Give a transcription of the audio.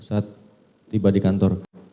saat tiba di kantor